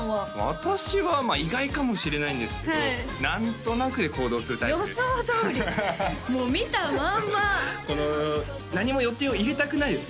私はまあ意外かもしれないんですけど何となくで行動するタイプです予想どおりもう見たまんま何も予定を入れたくないです